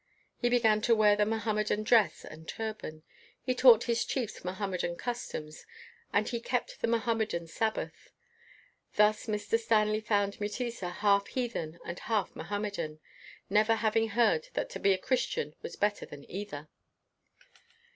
He began to wear the Mo hammedan dress and turban, he taught his chiefs Mohammedan customs, and he kept the Mohammedan Sabbath. Thus Mr. Stanley found Mutesa half heathen and half Mohammedan, never having heard that to be a Christian was better than either.